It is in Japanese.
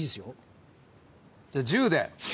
じゃあ１０で。